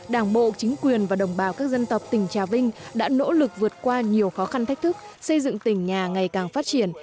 đảng bộ chính quyền và đồng bào các dân tộc tỉnh trà vinh đã nỗ lực vượt qua nhiều khó khăn thách thức xây dựng tỉnh nhà ngày càng phát triển